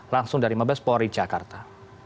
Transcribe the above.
langsung dari mabespori jakarta